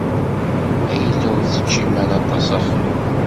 Ma yella ur teččim ara aṭas axiṛ.